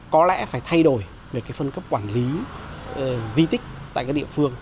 có lẽ phải thay đổi về cái phân cấp quản lý di tích tại các địa phương